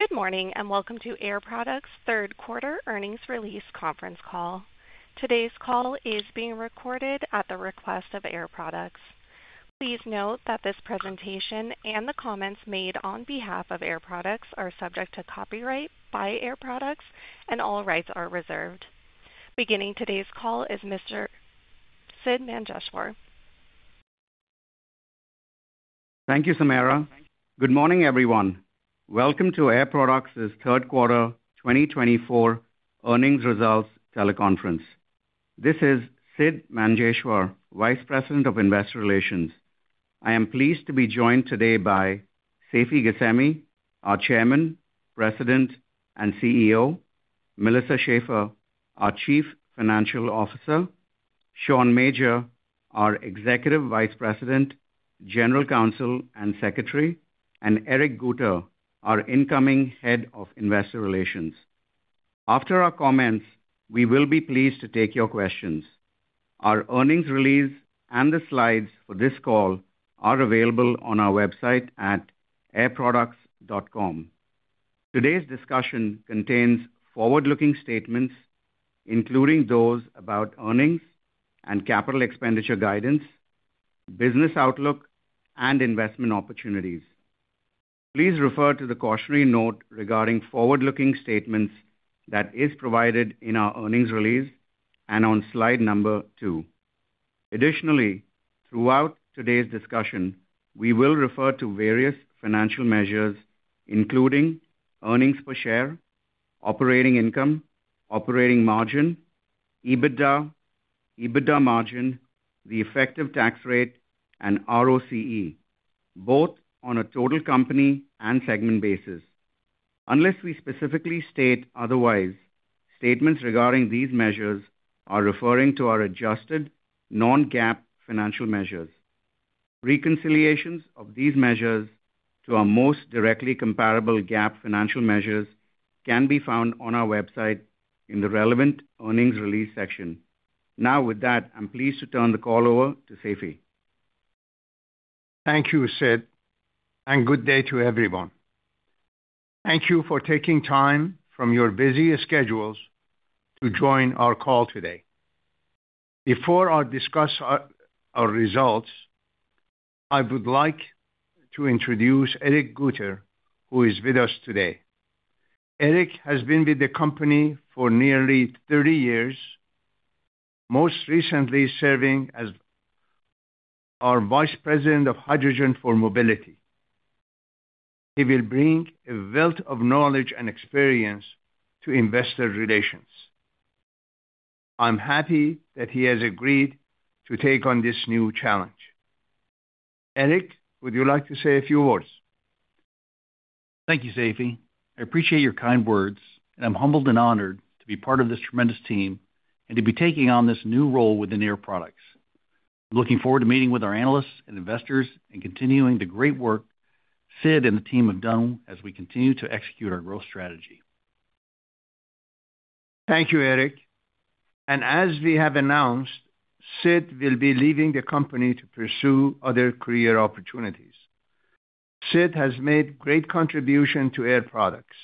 Good morning, and welcome to Air Products' Q3 Earnings Release Conference Call. Today's call is being recorded at the request of Air Products. Please note that this presentation and the comments made on behalf of Air Products are subject to copyright by Air Products and all rights are reserved. Beginning today's call is Mr. Sidd Manjeshwar. Thank you, Samara. Good morning, everyone. Welcome to Air Products' Q3 2024 Earnings Results Teleconference. This is Sidd Manjeshwar, Vice President of Investor Relations. I am pleased to be joined today by Seifi Ghasemi, our Chairman, President, and CEO; Melissa Schaeffer, our Chief Financial Officer; Sean Major, our Executive Vice President, General Counsel, and Secretary; and Eric Guter, our incoming Head of Investor Relations. After our comments, we will be pleased to take your questions. Our earnings release and the slides for this call are available on our website at airproducts.com. Today's discussion contains forward-looking statements, including those about earnings and capital expenditure guidance, business outlook, and investment opportunities. Please refer to the cautionary note regarding forward-looking statements that is provided in our earnings release and on slide number 2. Additionally, throughout today's discussion, we will refer to various financial measures, including earnings per share, operating income, operating margin, EBITDA, EBITDA margin, the effective tax rate, and ROCE, both on a total company and segment basis. Unless we specifically state otherwise, statements regarding these measures are referring to our adjusted non-GAAP financial measures. Reconciliations of these measures to our most directly comparable GAAP financial measures can be found on our website in the Relevant Earnings Release section. Now, with that, I'm pleased to turn the call over to Seifi. Thank you, Sidd, and good day to everyone. Thank you for taking time from your busy schedules to join our call today. Before I discuss our results, I would like to introduce Eric Guter, who is with us today. Eric has been with the company for nearly 30 years, most recently serving as our Vice President of Hydrogen for Mobility. He will bring a wealth of knowledge and experience to investor relations. I'm happy that he has agreed to take on this new challenge. Eric, would you like to say a few words? Thank you, Seifi. I appreciate your kind words, and I'm humbled and honored to be part of this tremendous team and to be taking on this new role within Air Products. Looking forward to meeting with our analysts and investors and continuing the great work Sidd and the team have done as we continue to execute our growth strategy. Thank you, Eric. As we have announced, Sidd will be leaving the company to pursue other career opportunities. Sidd has made great contribution to Air Products.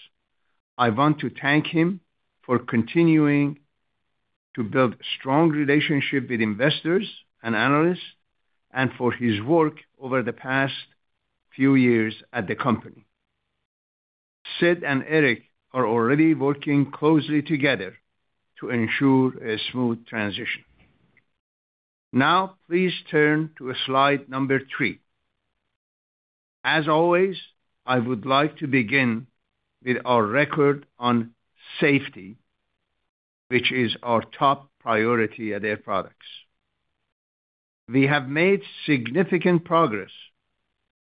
I want to thank him for continuing to build strong relationship with investors and analysts, and for his work over the past few years at the company. Sidd and Eric are already working closely together to ensure a smooth transition. Now, please turn to slide number 3. As always, I would like to begin with our record on safety, which is our top priority at Air Products. We have made significant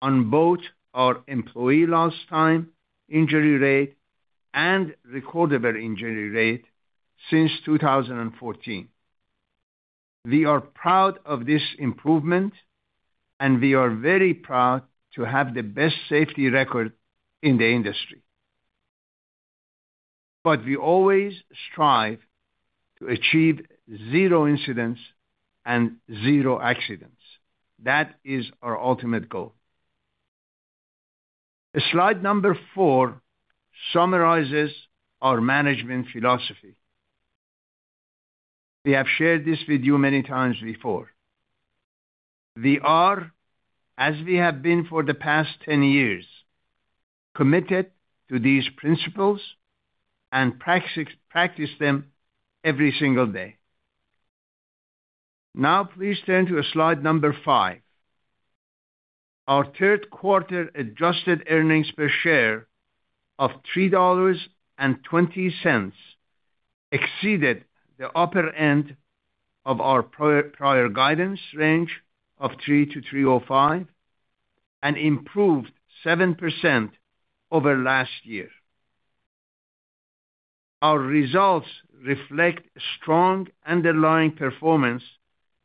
progress on both our employee lost time, injury rate, and recordable injury rate since 2014. We are proud of this improvement, and we are very proud to have the best safety record in the industry. We always strive to achieve zero incidents and zero accidents. That is our ultimate goal. Slide number 4 summarizes our management philosophy. We have shared this with you many times before. We are, as we have been for the past 10 years, committed to these principles and practice them every single day. Now, please turn to slide number 5. Our Q3 adjusted earnings per share of $3.20 exceeded the upper end of our prior guidance range of $3-$3.05 and improved 7% over last year. Our results reflect strong underlying performance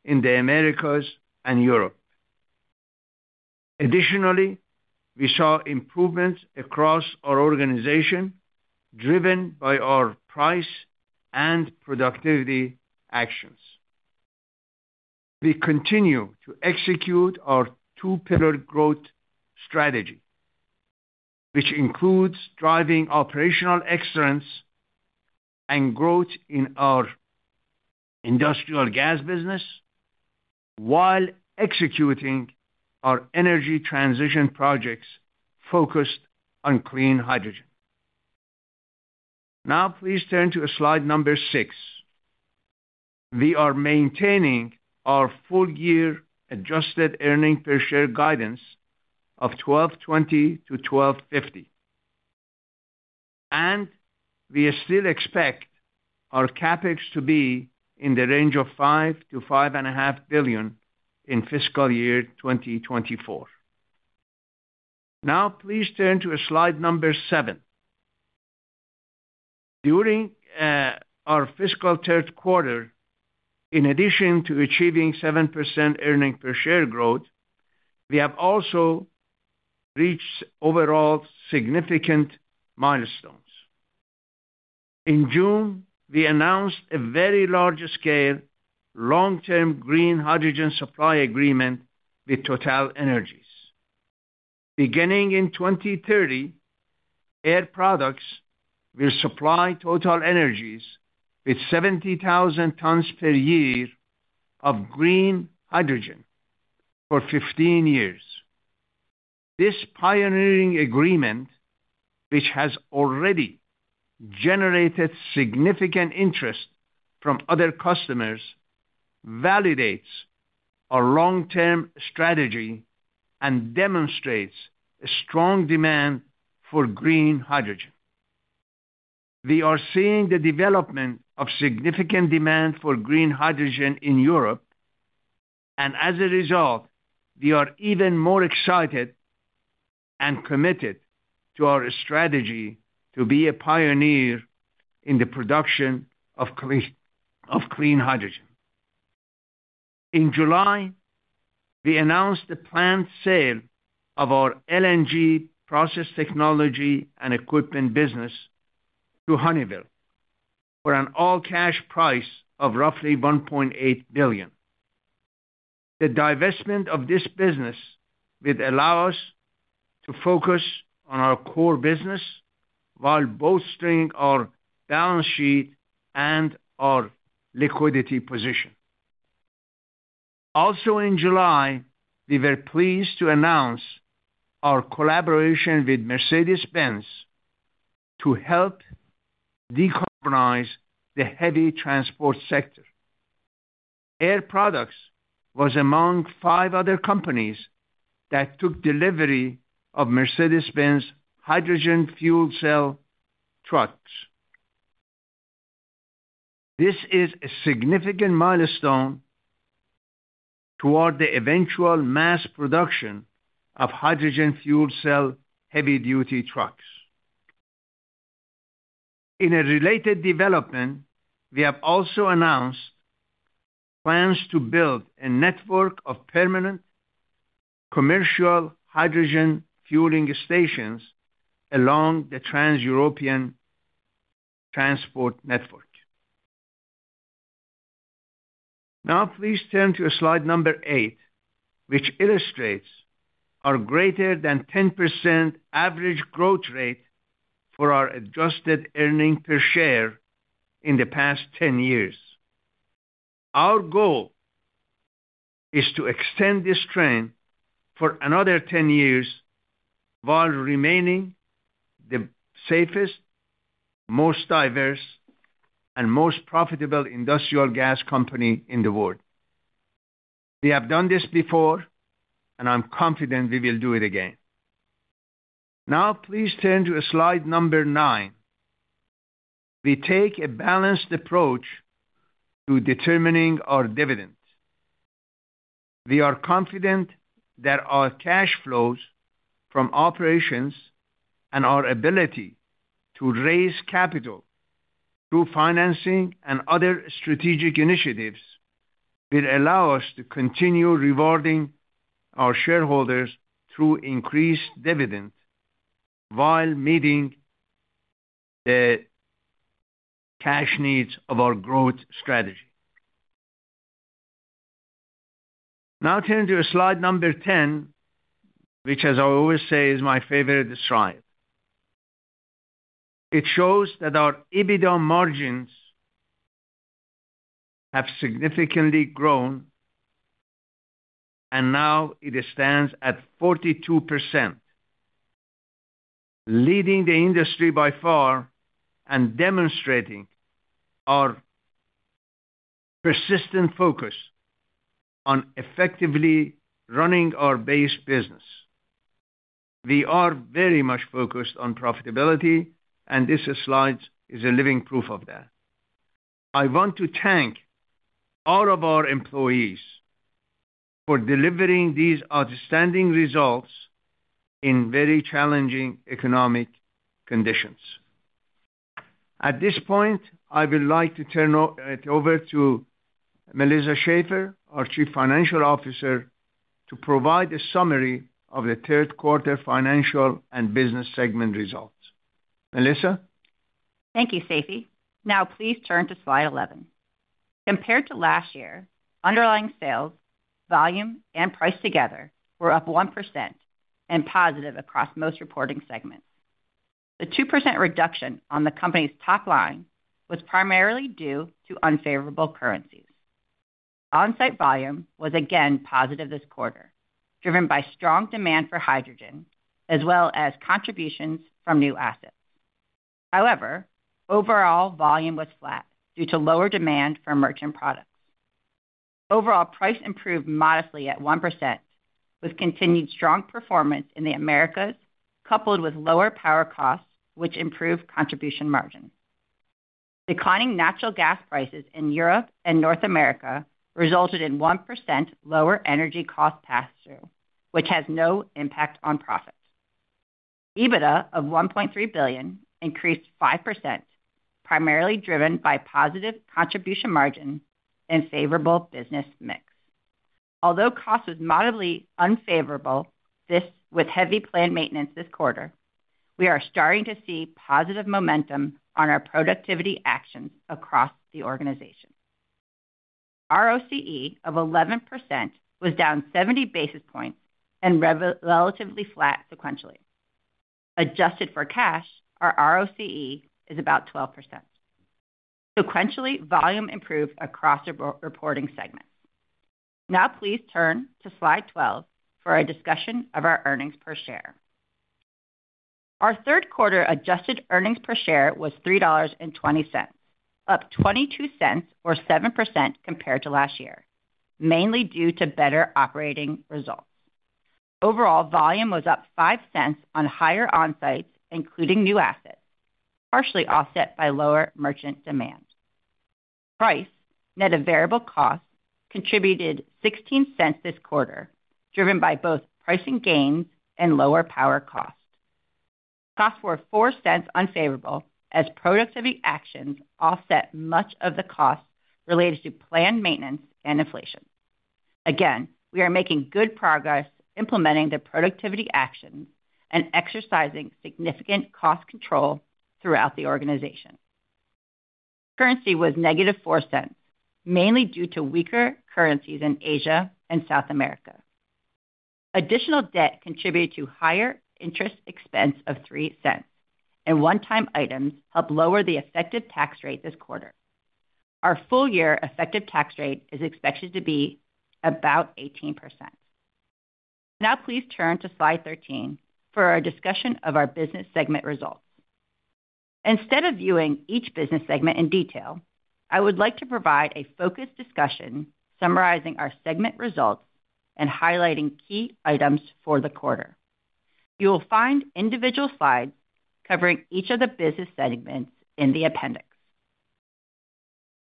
in the Americas and Europe. Additionally, we saw improvements across our organization, driven by our price and productivity actions.... We continue to execute our two-pillar growth strategy, which includes driving operational excellence and growth in our industrial gas business, while executing our energy transition projects focused on clean hydrogen. Now please turn to slide number 6. We are maintaining our full year adjusted earnings per share guidance of $12.20-$12.50, and we still expect our CapEx to be in the range of $5 billion-$5.5 billion in fiscal year 2024. Now, please turn to slide 7. During our fiscal Q3, in addition to achieving 7% earnings per share growth, we have also reached overall significant milestones. In June, we announced a very large scale, long-term green hydrogen supply agreement with TotalEnergies. Beginning in 2030, Air Products will supply TotalEnergies with 70,000 tons per year of green hydrogen for 15 years. This pioneering agreement, which has already generated significant interest from other customers, validates our long-term strategy and demonstrates a strong demand for green hydrogen. We are seeing the development of significant demand for green hydrogen in Europe, and as a result, we are even more excited and committed to our strategy to be a pioneer in the production of clean hydrogen. In July, we announced the planned sale of our LNG process technology and equipment business to Honeywell, for an all-cash price of roughly $1.8 billion. The divestment of this business will allow us to focus on our core business while bolstering our balance sheet and our liquidity position. Also in July, we were pleased to announce our collaboration with Mercedes-Benz to help decarbonize the heavy transport sector. Air Products was among five other companies that took delivery of Mercedes-Benz hydrogen fuel cell trucks. This is a significant milestone toward the eventual mass production of hydrogen fuel cell heavy-duty trucks. In a related development, we have also announced plans to build a network of permanent commercial hydrogen fueling stations along the Trans-European Transport Network. Now, please turn to slide number 8, which illustrates our greater than 10% average growth rate for our adjusted earnings per share in the past 10 years. Our goal is to extend this trend for another 10 years, while remaining the safest, most diverse, and most profitable industrial gas company in the world. We have done this before, and I'm confident we will do it again. Now, please turn to slide number 9. We take a balanced approach to determining our dividends. We are confident that our cash flows from operations and our ability to raise capital through financing and other strategic initiatives, will allow us to continue rewarding our shareholders through increased dividends while meeting the cash needs of our growth strategy. Now turn to slide number 10, which, as I always say, is my favorite slide. It shows that our EBITDA margins have significantly grown, and now it stands at 42%, leading the industry by far and demonstrating our persistent focus on effectively running our base business. We are very much focused on profitability, and this slide is a living proof of that. I want to thank all of our employees for delivering these outstanding results in very challenging economic conditions. At this point, I would like to turn it over to Melissa Schaeffer, our Chief Financial Officer, to provide a summary of the Q3 financial and business segment results. Melissa? Thank you, Seifi. Now please turn to slide 11. Compared to last year, underlying sales, volume, and price together were up 1% and positive across most reporting segments. The 2% reduction on the company's top line was primarily due to unfavorable currencies. On-site volume was again positive this quarter, driven by strong demand for hydrogen, as well as contributions from new assets. However, overall volume was flat due to lower demand for merchant products. Overall price improved modestly at 1%, with continued strong performance in the Americas, coupled with lower power costs, which improved contribution margin. Declining natural gas prices in Europe and North America resulted in 1% lower energy cost pass-through, which has no impact on profits. EBITDA of $1.3 billion increased 5%, primarily driven by positive contribution margin and favorable business mix. Although cost was moderately unfavorable, this with heavy planned maintenance this quarter, we are starting to see positive momentum on our productivity actions across the organization. ROCE of 11% was down 70 basis points and relatively flat sequentially. Adjusted for cash, our ROCE is about 12%. Sequentially, volume improved across reporting segments. Now, please turn to slide 12 for a discussion of our earnings per share. Our Q3 adjusted earnings per share was $3.20, up $0.22 or 7% compared to last year, mainly due to better operating results. Overall, volume was up $0.05 on higher onsites, including new assets, partially offset by lower merchant demand. Price, net of variable costs, contributed $0.16 this quarter, driven by both pricing gains and lower power costs. Costs were $0.04 unfavorable as productivity actions offset much of the costs related to planned maintenance and inflation. Again, we are making good progress implementing the productivity actions and exercising significant cost control throughout the organization. Currency was -$0.04, mainly due to weaker currencies in Asia and South America. Additional debt contributed to higher interest expense of $0.03, and one-time items helped lower the effective tax rate this quarter. Our full-year effective tax rate is expected to be about 18%. Now, please turn to slide 13 for our discussion of our business segment results. Instead of viewing each business segment in detail, I would like to provide a focused discussion summarizing our segment results and highlighting key items for the quarter. You will find individual slides covering each of the business segments in the appendix.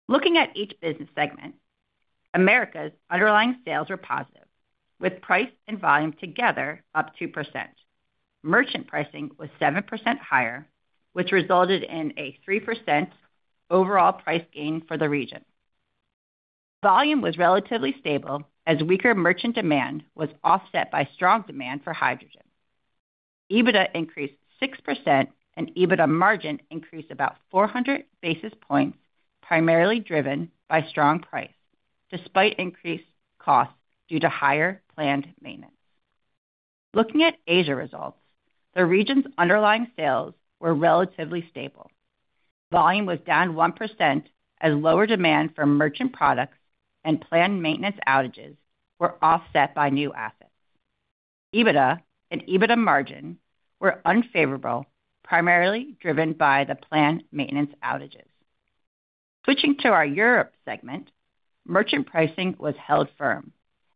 Looking at each business segment, Americas' underlying sales were positive, with price and volume together up 2%. Merchant pricing was 7% higher, which resulted in a 3% overall price gain for the region. Volume was relatively stable as weaker merchant demand was offset by strong demand for hydrogen. EBITDA increased 6%, and EBITDA margin increased about 400 basis points, primarily driven by strong price, despite increased costs due to higher planned maintenance. Looking at Asia results, the region's underlying sales were relatively stable. Volume was down 1% as lower demand for merchant products and planned maintenance outages were offset by new assets. EBITDA and EBITDA margin were unfavorable, primarily driven by the planned maintenance outages. Switching to our Europe segment, merchant pricing was held firm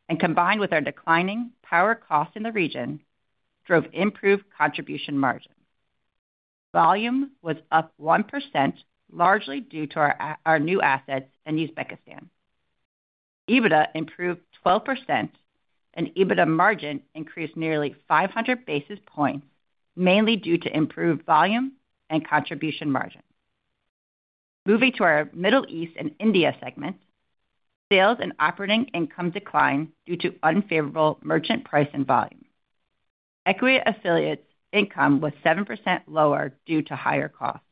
and combined with our declining power costs in the region, drove improved contribution margin. Volume was up 1%, largely due to our new assets in Uzbekistan. EBITDA improved 12%, and EBITDA margin increased nearly 500 basis points, mainly due to improved volume and contribution margin. Moving to our Middle East and India segment, sales and operating income declined due to unfavorable merchant price and volume. Equity affiliates income was 7% lower due to higher costs.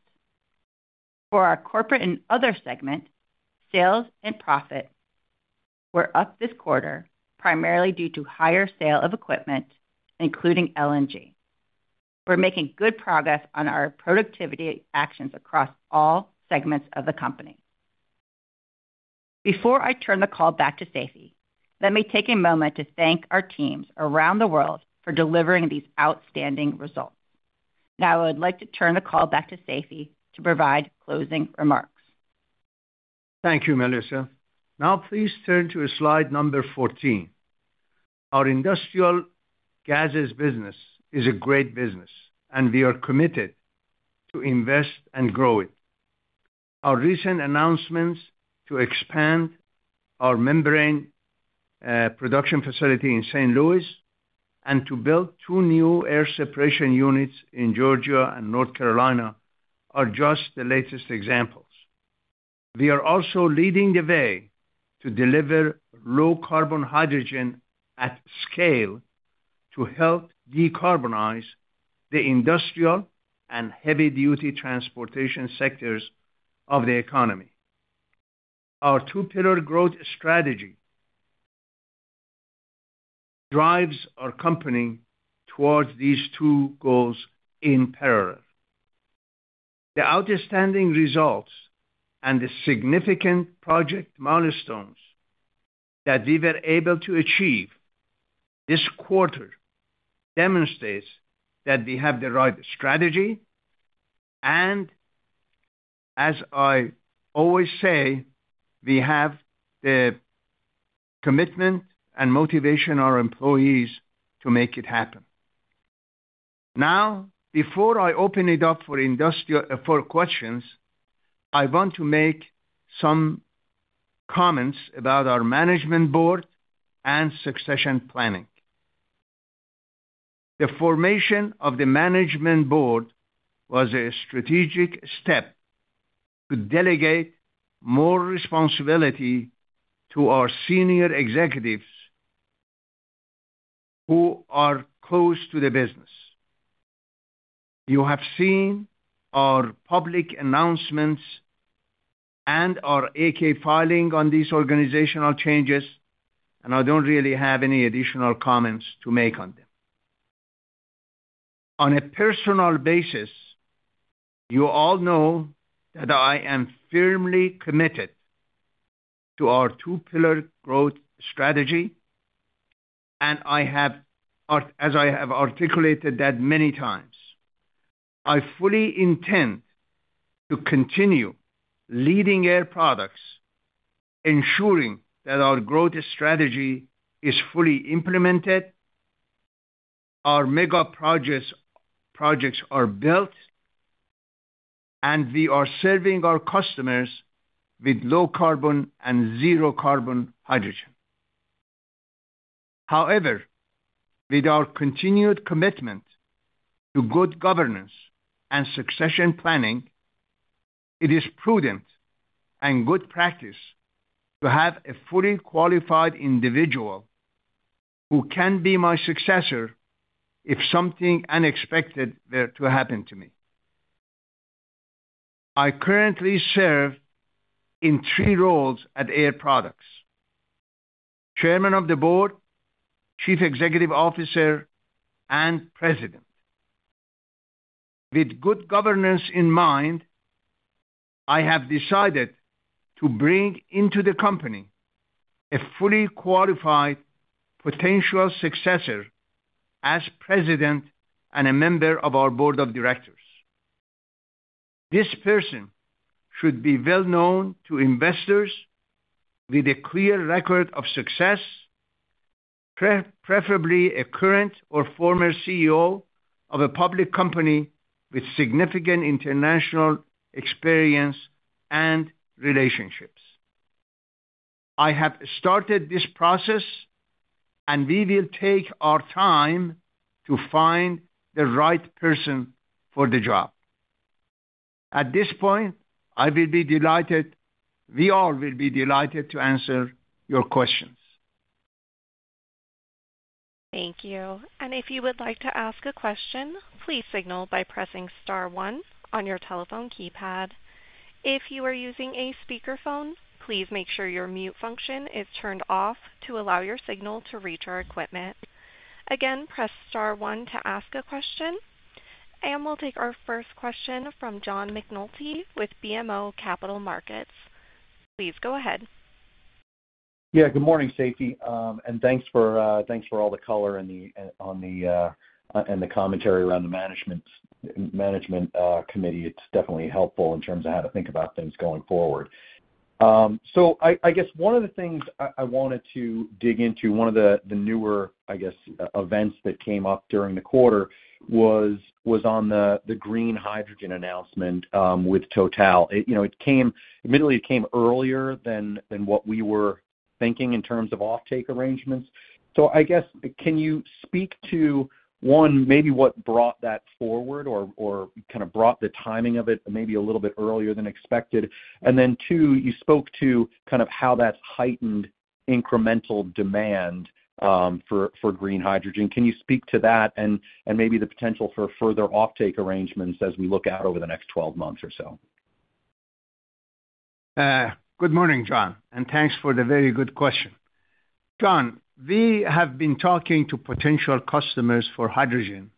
For our corporate and other segment, sales and profit were up this quarter, primarily due to higher sale of equipment, including LNG. We're making good progress on our productivity actions across all segments of the company. Before I turn the call back to Seifi, let me take a moment to thank our teams around the world for delivering these outstanding results. Now I would like to turn the call back to Seifi to provide closing remarks. Thank you, Melissa. Now, please turn to slide number 14. Our industrial gases business is a great business, and we are committed to invest and grow it. Our recent announcements to expand our membrane production facility in St. Louis and to build two new air separation units in Georgia and North Carolina are just the latest examples.... We are also leading the way to deliver low carbon hydrogen at scale to help decarbonize the industrial and heavy-duty transportation sectors of the economy. Our two-pillar growth strategy drives our company towards these two goals in parallel. The outstanding results and the significant project milestones that we were able to achieve this quarter demonstrates that we have the right strategy, and as I always say, we have the commitment and motivation of our employees to make it happen. Now, before I open it up for questions, I want to make some comments about our management board and succession planning. The formation of the management board was a strategic step to delegate more responsibility to our senior executives who are close to the business. You have seen our public announcements and our 8-K filing on these organizational changes, and I don't really have any additional comments to make on them. On a personal basis, you all know that I am firmly committed to our two-pillar growth strategy, and I have, as I have articulated that many times, I fully intend to continue leading Air Products, ensuring that our growth strategy is fully implemented, our mega projects, projects are built, and we are serving our customers with low carbon and zero carbon hydrogen. However, with our continued commitment to good governance and succession planning, it is prudent and good practice to have a fully qualified individual who can be my successor if something unexpected were to happen to me. I currently serve in three roles at Air Products: Chairman of the Board, Chief Executive Officer, and President. With good governance in mind, I have decided to bring into the company a fully qualified potential successor as president and a member of our board of directors. This person should be well known to investors with a clear record of success, preferably, a current or former CEO of a public company with significant international experience and relationships. I have started this process, and we will take our time to find the right person for the job. At this point, I will be delighted, we all will be delighted to answer your questions. Thank you. If you would like to ask a question, please signal by pressing star one on your telephone keypad. If you are using a speakerphone, please make sure your mute function is turned off to allow your signal to reach our equipment. Again, press star one to ask a question. We'll take our first question from John McNulty with BMO Capital Markets. Please go ahead. Yeah, good morning, Seifi, and thanks for all the color and the commentary around the management committee. It's definitely helpful in terms of how to think about things going forward. So I guess one of the things I wanted to dig into, one of the newer events that came up during the quarter was on the green hydrogen announcement with Total. You know, admittedly, it came earlier than what we were thinking in terms of offtake arrangements. So I guess, can you speak to, one, maybe what brought that forward or kind of brought the timing of it maybe a little bit earlier than expected? And then, two, you spoke to kind of how that's heightened incremental demand for green hydrogen. Can you speak to that and maybe the potential for further offtake arrangements as we look out over the next 12 months or so? Good morning, John, and thanks for the very good question. John, we have been talking to potential customers for hydrogen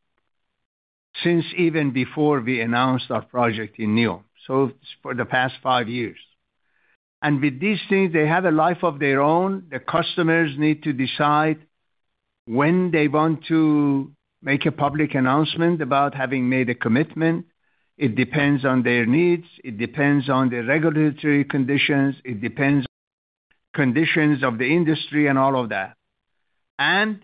since even before we announced our project in NEOM, so for the past five years. With these things, they have a life of their own. The customers need to decide when they want to make a public announcement about having made a commitment. It depends on their needs, it depends on the regulatory conditions, it depends conditions of the industry and all of that. I'm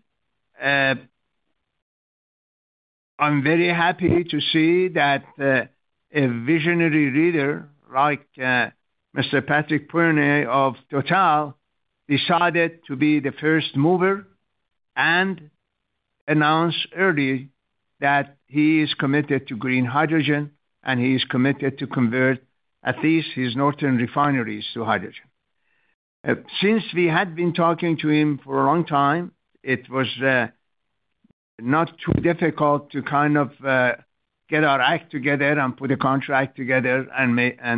very happy to see that a visionary leader like Mr. Patrick Pouyanné of Total decided to be the first mover and announce early that he is committed to green hydrogen, and he is committed to convert at least his northern refineries to hydrogen. Since we had been talking to him for a long time, it was not too difficult to kind of get our act together and put a contract together and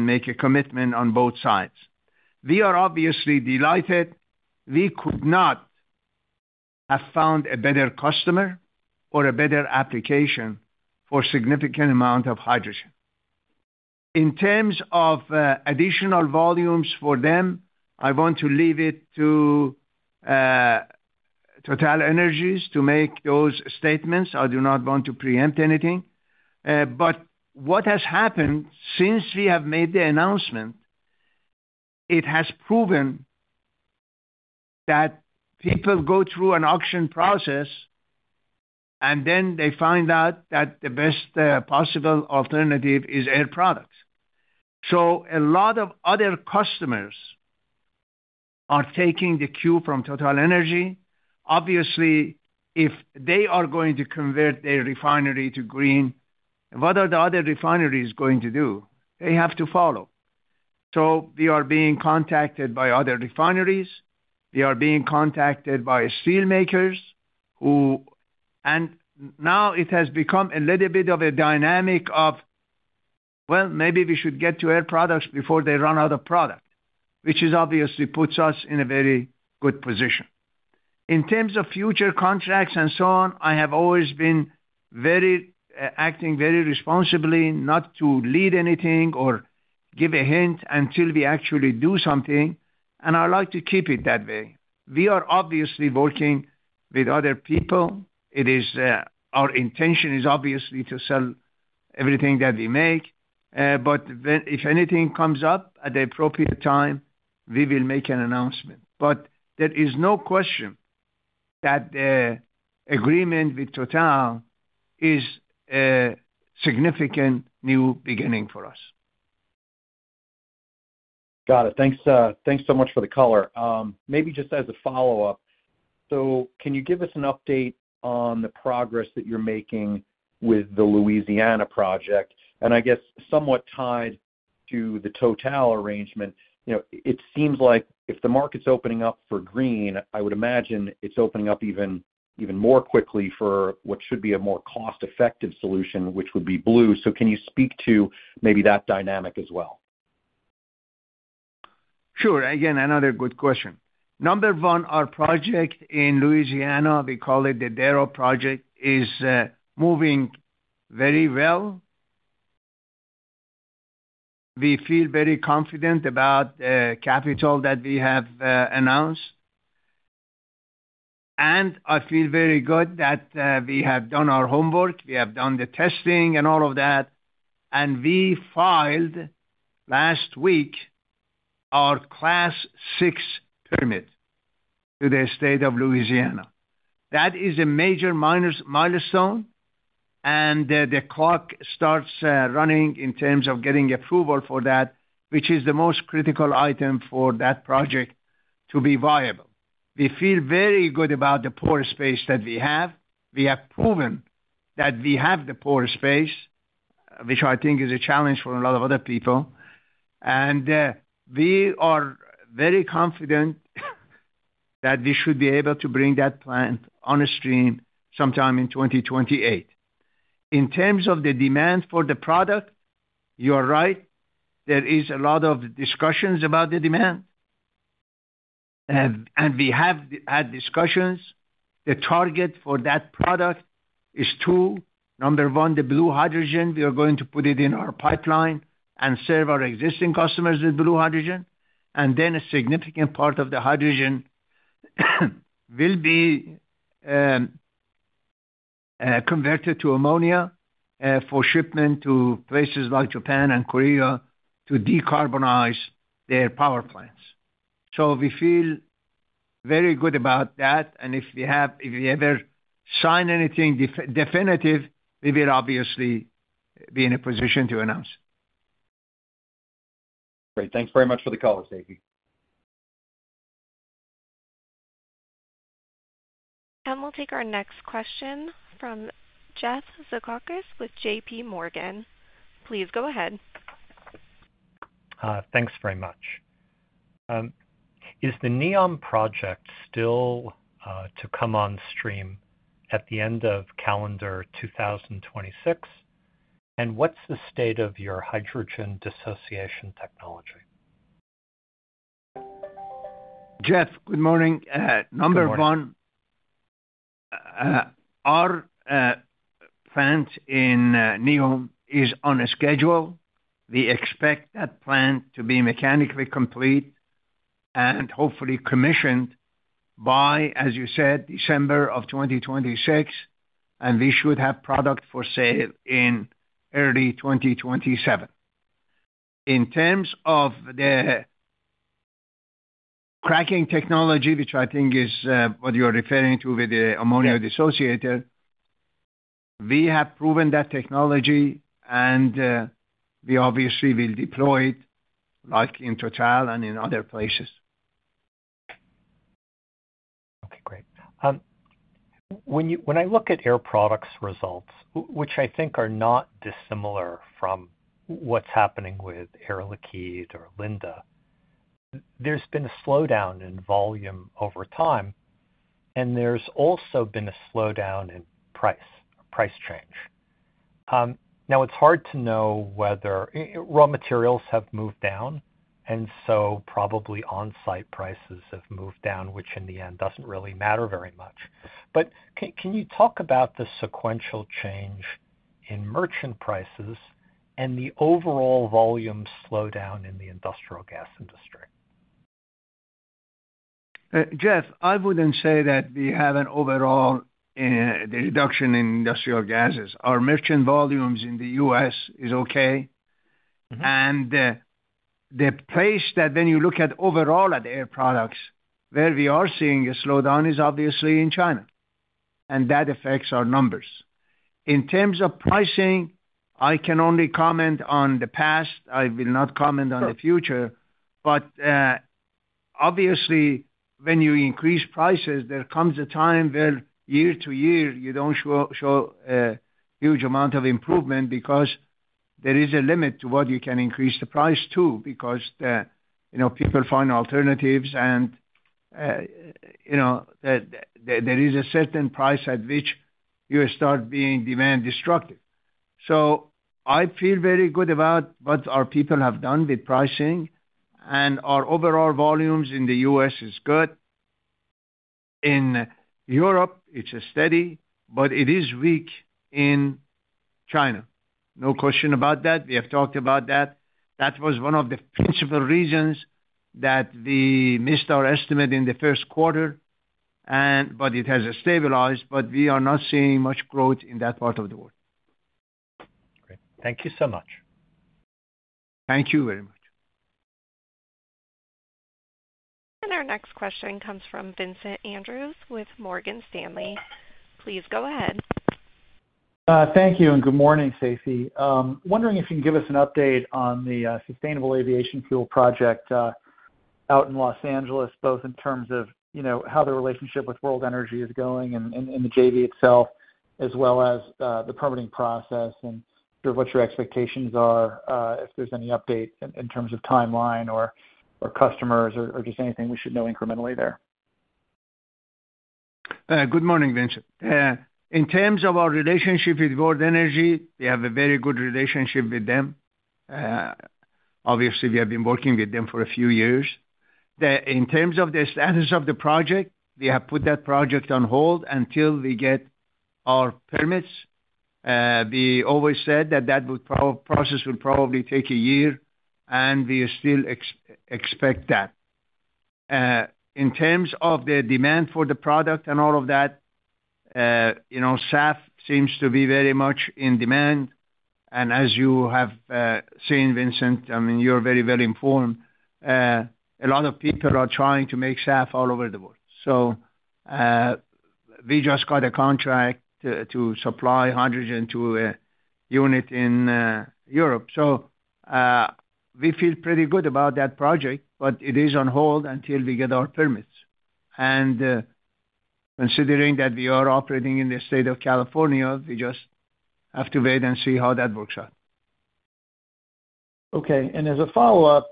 make a commitment on both Sides. We are obviously delighted. We could not have found a better customer or a better application for significant amount of hydrogen. In terms of additional volumes for them, I want to leave it to TotalEnergies to make those statements. I do not want to preempt anything. But what has happened since we have made the announcement, it has proven that people go through an auction process, and then they find out that the best possible alternative is Air Products. So a lot of other customers are taking the cue from TotalEnergies. Obviously, if they are going to convert their refinery to green, what are the other refineries going to do? They have to follow. So we are being contacted by other refineries. We are being contacted by steelmakers who and now it has become a little bit of a dynamic of, well, maybe we should get to Air Products before they run out of product, which is obviously puts us in a very good position. In terms of future contracts and so on, I have always been very acting very responsibly, not to lead anything or give a hint until we actually do something, and I'd like to keep it that way. We are obviously working with other people. It is, our intention is obviously to sell everything that we make, but when if anything comes up, at the appropriate time, we will make an announcement. But there is no question that the agreement with Total is a significant new beginning for us. Got it. Thanks, thanks so much for the color. Maybe just as a follow-up: So can you give us an update on the progress that you're making with the Louisiana project? And I guess, somewhat tied to the Total arrangement, you know, it seems like if the market's opening up for green, I would imagine it's opening up even, even more quickly for what should be a more cost-effective solution, which would be blue. So can you speak to maybe that dynamic as well? Sure. Again, another good question. Number one, our project in Louisiana, we call it the Darrow Project, is moving very well. We feel very confident about capital that we have announced. And I feel very good that we have done our homework, we have done the testing and all of that, and we filed last week our Class VI permit to the state of Louisiana. That is a major milestone, and the clock starts running in terms of getting approval for that, which is the most critical item for that project to be viable. We feel very good about the pore space that we have. We have proven that we have the pore space, which I think is a challenge for a lot of other people. We are very confident that we should be able to bring that plant onstream sometime in 2028. In terms of the demand for the product, you're right. There is a lot of discussions about the demand. We have had discussions. The target for that product is two: Number one, the blue hydrogen, we are going to put it in our pipeline and serve our existing customers with blue hydrogen, and then a significant part of the hydrogen will be converted to ammonia for shipment to places like Japan and Korea to decarbonize their power plants. So we feel very good about that, and if we ever sign anything definitive, we will obviously be in a position to announce. Great. Thanks very much for the color, Seifi. We'll take our next question from Jeff Zekauskas with J.P. Morgan. Please go ahead. Thanks very much. Is the NEOM project still to come on stream at the end of calendar 2026? And what's the state of your hydrogen dissociation technology? Jeff, good morning. Good morning. Number one, our plant in NEOM is on schedule. We expect that plant to be mechanically complete and hopefully commissioned by, as you said, December 2026, and we should have product for sale in early 2027. In terms of the cracking technology, which I think is what you're referring to with the ammonia dissociator. We have proven that technology, and we obviously will deploy it, like in Total and in other places. Okay, great. When I look at Air Products results, which I think are not dissimilar from what's happening with Air Liquide or Linde, there's been a slowdown in volume over time, and there's also been a slowdown in price, price change. Now, it's hard to know whether raw materials have moved down, and so probably on-site prices have moved down, which in the end, doesn't really matter very much. But can you talk about the sequential change in merchant prices and the overall volume slowdown in the industrial gas industry? Jeff, I wouldn't say that we have an overall reduction in industrial gases. Our merchant volumes in the U.S. is okay. Mm-hmm. The place that when you look at overall at Air Products, where we are seeing a slowdown is obviously in China, and that affects our numbers. In terms of pricing, I can only comment on the past. I will not comment on the future. Sure. But obviously, when you increase prices, there comes a time where year to year, you don't show a huge amount of improvement because there is a limit to what you can increase the price to, because you know, people find alternatives and you know, there is a certain price at which you start being demand destructive. So I feel very good about what our people have done with pricing, and our overall volumes in the U.S. is good. In Europe, it's steady, but it is weak in China. No question about that. We have talked about that. That was one of the principal reasons that we missed our estimate in the Q1, and but it has stabilized, but we are not seeing much growth in that part of the world. Great. Thank you so much. Thank you very much. Our next question comes from Vincent Andrews with Morgan Stanley. Please go ahead. Thank you, and good morning, Seifi. Wondering if you can give us an update on the sustainable aviation fuel project out in Los Angeles, both in terms of, you know, how the relationship with World Energy is going and the JV itself, as well as the permitting process, and sort of what your expectations are, if there's any update in terms of timeline or customers or just anything we should know incrementally there. Good morning, Vincent. In terms of our relationship with World Energy, we have a very good relationship with them. Obviously, we have been working with them for a few years. In terms of the status of the project, we have put that project on hold until we get our permits. We always said that that process would probably take a year, and we still expect that. In terms of the demand for the product and all of that, you know, SAF seems to be very much in demand. And as you have seen, Vincent, I mean, you're very, very informed, a lot of people are trying to make SAF all over the world. So, we just got a contract to supply hydrogen to a unit in Europe. We feel pretty good about that project, but it is on hold until we get our permits. Considering that we are operating in the state of California, we just have to wait and see how that works out. Okay, and as a follow-up,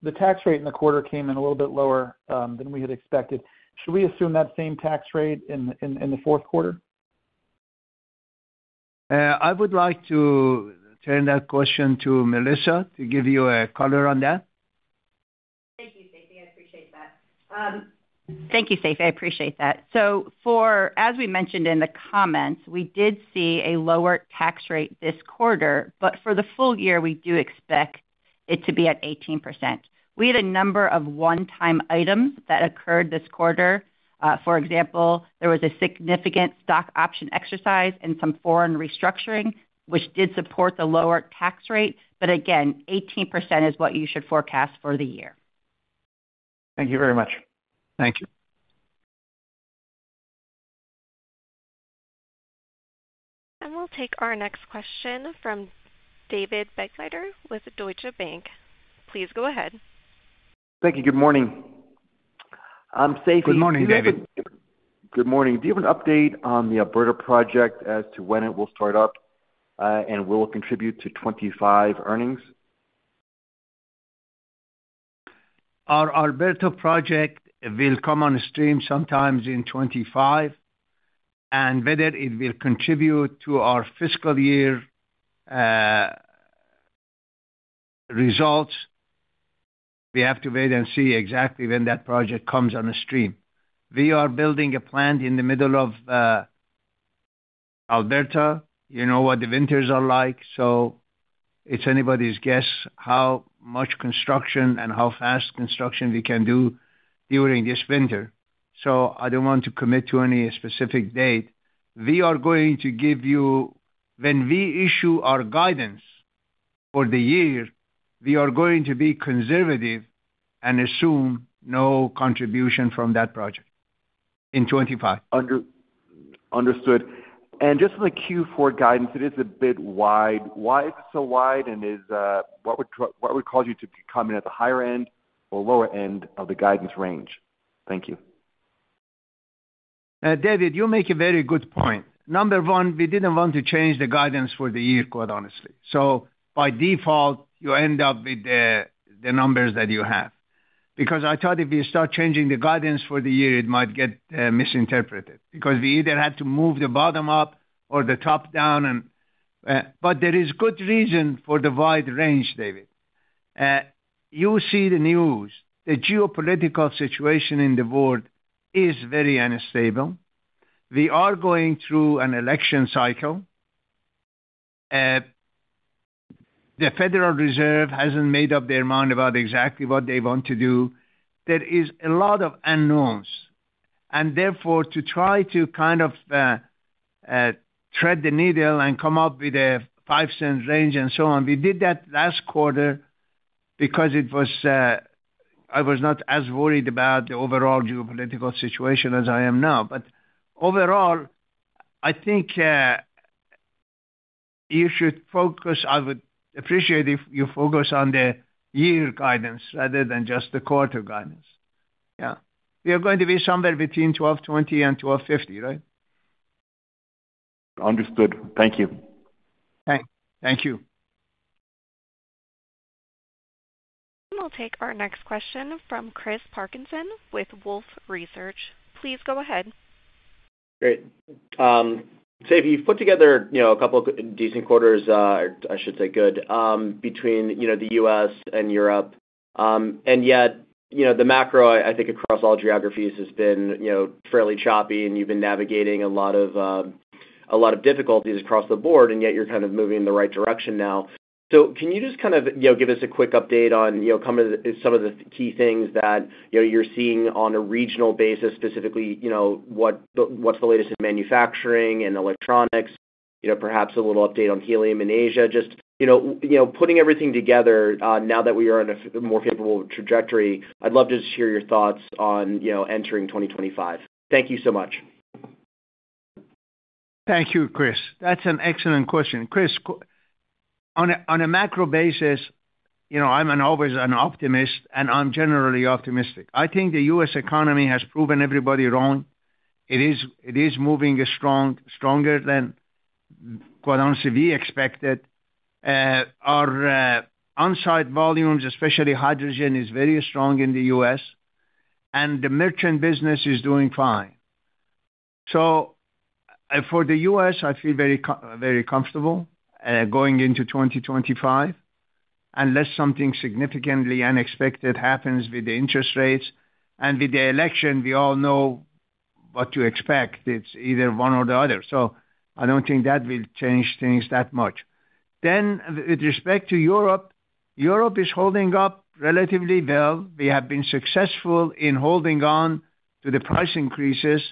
the tax rate in the quarter came in a little bit lower than we had expected. Should we assume that same tax rate in the Q4? I would like to turn that question to Melissa to give you a color on that. Thank you, Seifi. I appreciate that. As we mentioned in the comments, we did see a lower tax rate this quarter, but for the full year, we do expect it to be at 18%. We had a number of one-time items that occurred this quarter. For example, there was a significant stock option exercise and some foreign restructuring, which did support the lower tax rate. But again, 18% is what you should forecast for the year. Thank you very much. Thank you. And we'll take our next question from David Begleiter with Deutsche Bank. Please go ahead. Thank you. Good morning, Seifi- Good morning, David. Good morning. Do you have an update on the Alberta project as to when it will start up, and will contribute to 2025 earnings? Our Alberta project will come on stream some time in 2025, and whether it will contribute to our fiscal year results, we have to wait and see exactly when that project comes on stream. We are building a plant in the middle of Alberta. You know what the winters are like, so it's anybody's guess how much construction and how fast construction we can do during this winter. So I don't want to commit to any specific date. We are going to give you. When we issue our guidance for the year, we are going to be conservative and assume no contribution from that project in 2025. Understood. And just on the Q4 guidance, it is a bit wide. Why is it so wide? And is, what would cause you to come in at the higher end or lower end of the guidance range? Thank you. David, you make a very good point. Number one, we didn't want to change the guidance for the year, quite honestly. So by default, you end up with the numbers that you have. Because I thought if you start changing the guidance for the year, it might get misinterpreted, because we either had to move the bottom up or the top down and... But there is good reason for the wide range, David. You see the news. The geopolitical situation in the world is very unstable. We are going through an election cycle. The Federal Reserve hasn't made up their mind about exactly what they want to do. There is a lot of unknowns, and therefore, to try to kind of, thread the needle and come up with a 5-cent range and so on, we did that last quarter because it was, I was not as worried about the overall geopolitical situation as I am now. But overall, I think, you should focus. I would appreciate if you focus on the year guidance rather than just the quarter guidance. Yeah. We are going to be somewhere between $12.20 and $12.50, right? Understood. Thank you. Thank you. We'll take our next question from Chris Parkinson with Wolfe Research. Please go ahead. Great. So if you've put together, you know, a couple of decent quarters, I should say good, between, you know, the U.S. and Europe, and yet, you know, the macro, I think across all geographies has been, you know, fairly choppy, and you've been navigating a lot of, a lot of difficulties across the board, and yet you're kind of moving in the right direction now. So can you just kind of, you know, give us a quick update on, you know, some of the, some of the key things that, you know, you're seeing on a regional basis, specifically, you know, what the, what's the latest in manufacturing and electronics? You know, perhaps a little update on helium in Asia. Just, you know, putting everything together, now that we are on a more capable trajectory, I'd love to just hear your thoughts on, you know, entering 2025. Thank you so much. Thank you, Chris. That's an excellent question. Chris, on a macro basis, you know, I'm always an optimist, and I'm generally optimistic. I think the U.S. economy has proven everybody wrong. It is moving strong, stronger than, quite honestly, we expected. Our on-site volumes, especially hydrogen, is very strong in the U.S., and the merchant business is doing fine. So for the U.S., I feel very comfortable going into 2025, unless something significantly unexpected happens with the interest rates and with the election, we all know what to expect. It's either one or the other, so I don't think that will change things that much. Then, with respect to Europe, Europe is holding up relatively well. We have been successful in holding on to the price increases.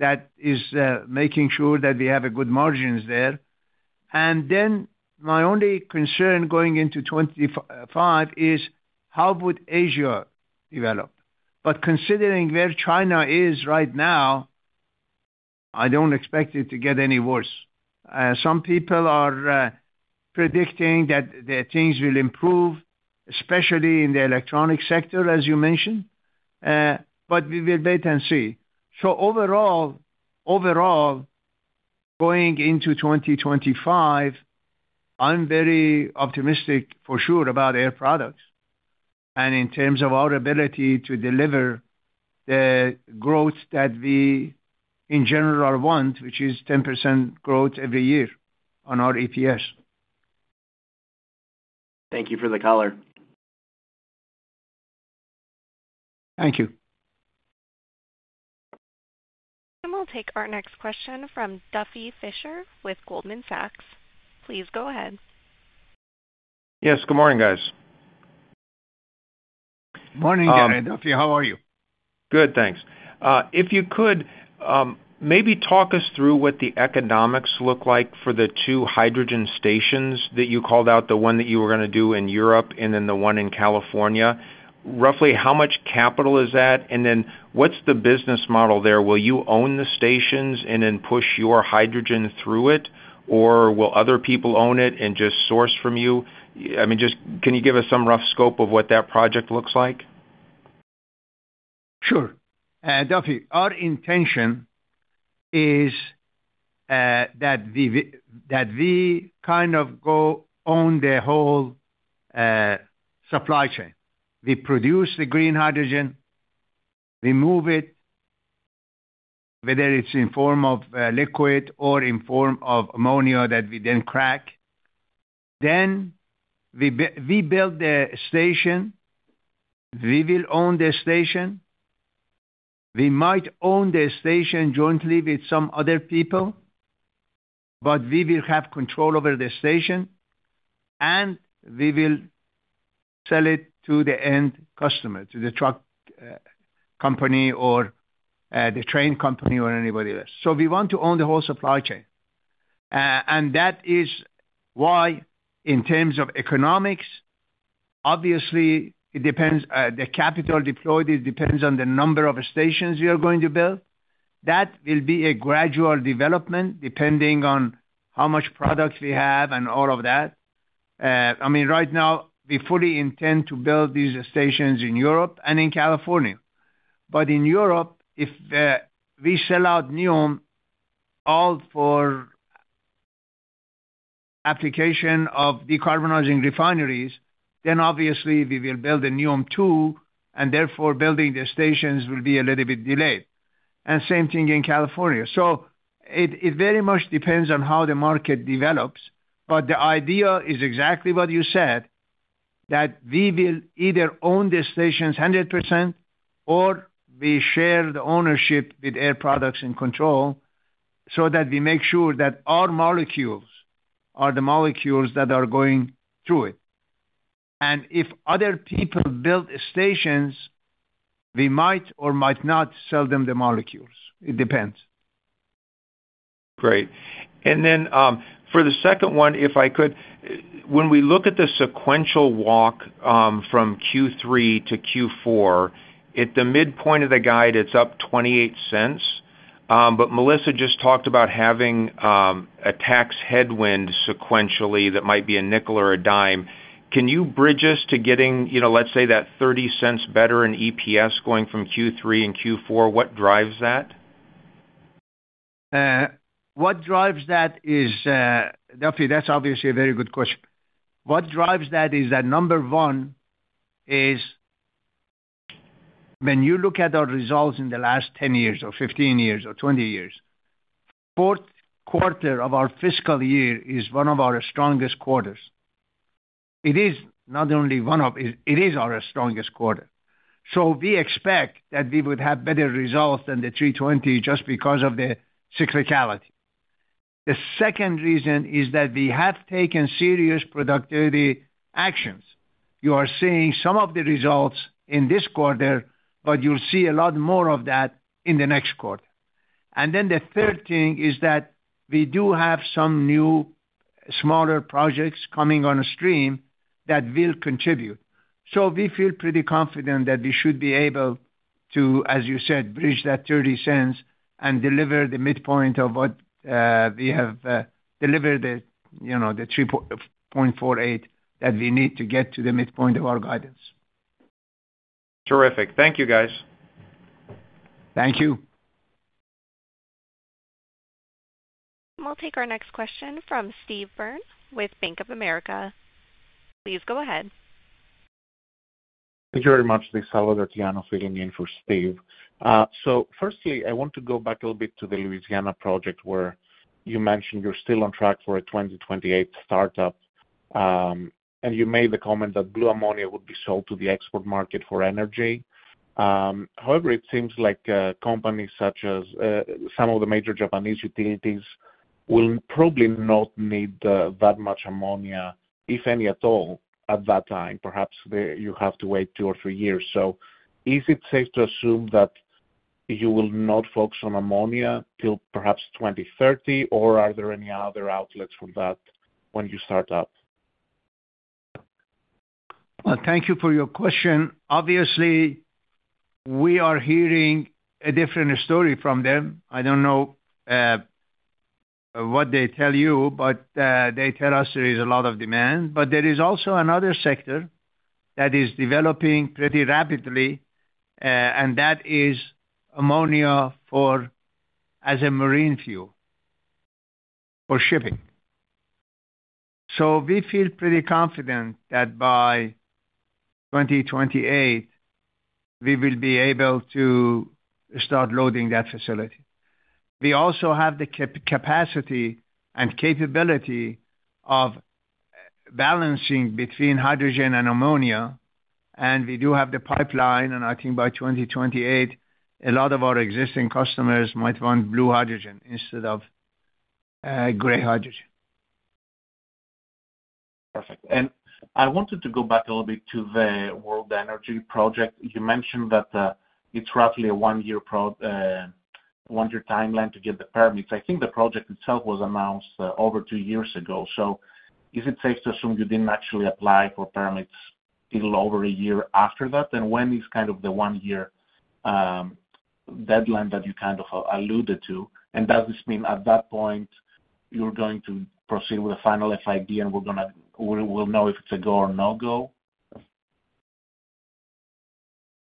That is, making sure that we have good margins there. And then my only concern going into 2025 is how would Asia develop? But considering where China is right now, I don't expect it to get any worse. Some people are predicting that things will improve, especially in the electronic sector, as you mentioned, but we will wait and see. So overall, overall, going into 2025, I'm very optimistic for sure about Air Products and in terms of our ability to deliver the growth that we, in general, want, which is 10% growth every year on our EPS. Thank you for the color. Thank you. We'll take our next question from Duffy Fischer with Goldman Sachs. Please go ahead. Yes, good morning, guys. Morning, Duffy, how are you? Good, thanks. If you could, maybe talk us through what the economics look like for the two hydrogen stations that you called out, the one that you were gonna do in Europe and then the one in California. Roughly how much capital is that? And then what's the business model there? Will you own the stations and then push your hydrogen through it, or will other people own it and just source from you? I mean, just can you give us some rough scope of what that project looks like? Sure. Duffy, our intention is that we kind of go own the whole supply chain. We produce the green hydrogen, we move it, whether it's in form of liquid or in form of ammonia, that we then crack. Then we build the station. We will own the station. We might own the station jointly with some other people, but we will have control over the station, and we will sell it to the end customer, to the truck company or the train company or anybody else. So we want to own the whole supply chain. And that is why, in terms of economics, obviously, it depends the capital deployed, it depends on the number of stations we are going to build. That will be a gradual development, depending on how much products we have and all of that. I mean, right now, we fully intend to build these stations in Europe and in California. But in Europe, if we sell out NEOM, all for application of decarbonizing refineries, then obviously we will build a NEOM two, and therefore building the stations will be a little bit delayed. And same thing in California. So it very much depends on how the market develops, but the idea is exactly what you said, that we will either own the stations 100%, or we share the ownership with Air Products in control, so that we make sure that our molecules are the molecules that are going through it. And if other people build stations, we might or might not sell them the molecules. It depends. Great. Then, for the second one, if I could, when we look at the sequential walk from Q3 to Q4, at the midpoint of the guide, it's up $0.28. But Melissa just talked about having a tax headwind sequentially that might be $0.05 or $0.10. Can you bridge us to getting, you know, let's say that $0.30 better in EPS going from Q3 to Q4? What drives that? What drives that is, Duffy, that's obviously a very good question. What drives that is that number one is, when you look at our results in the last 10 years or 15 years or 20 years, Q4 of our fiscal year is one of our strongest quarters. It is not only one of. It is our strongest quarter. So we expect that we would have better results than the Q3 2020 just because of the cyclicality. The second reason is that we have taken serious productivity actions. You are seeing some of the results in this quarter, but you'll see a lot more of that in the next quarter. Then the third thing is that we do have some new, smaller projects coming on stream that will contribute. We feel pretty confident that we should be able to, as you said, bridge that $0.30 and deliver the midpoint of what we have delivered, you know, the $3.48, that we need to get to the midpoint of our guidance. Terrific. Thank you, guys. Thank you. We'll take our next question from Steve Byrne with Bank of America. Please go ahead. Thank you very much. This is Salvator Tiano filling in for Steve. So firstly, I want to go back a little bit to the Louisiana project, where you mentioned you're still on track for a 2028 startup, and you made the comment that blue ammonia would be sold to the export market for energy. However, it seems like companies such as some of the major Japanese utilities will probably not need that much ammonia, if any, at all, at that time. Perhaps they—you have to wait two or three years. So is it safe to assume that you will not focus on ammonia till perhaps 2030, or are there any other outlets for that when you start up? Thank you for your question. Obviously, we are hearing a different story from them. I don't know what they tell you, but they tell us there is a lot of demand. But there is also another sector that is developing pretty rapidly, and that is ammonia for as a marine fuel for shipping. So we feel pretty confident that by 2028, we will be able to start loading that facility. We also have the capacity and capability of balancing between hydrogen and ammonia, and we do have the pipeline, and I think by 2028, a lot of our existing customers might want blue hydrogen instead of gray hydrogen. Perfect. And I wanted to go back a little bit to the World Energy Project. You mentioned that it's roughly a one-year timeline to get the permits. I think the project itself was announced over two years ago. So is it safe to assume you didn't actually apply for permits till over a year after that? And when is kind of the one-year deadline that you kind of alluded to? And does this mean at that point, you're going to proceed with a final FID, and we're gonna, we'll know if it's a go or no-go?